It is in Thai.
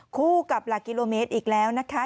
คู่กับหลักกิโลเมตรอีกแล้วนะคะ